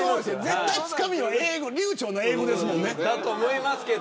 絶対つかみは流ちょうな英語ですもんね。